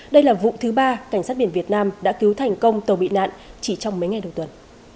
đây là vụ thứ ba cảnh sát biển việt nam đã cứu thành công tàu bị nạn chỉ trong mấy ngày đầu tuần